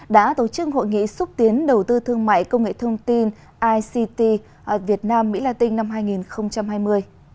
đã tổ chức hội nghị xúc tiến đầu tư thương mại công nghệ thông tin ict việt nam mỹ la tinh năm hai nghìn hai mươi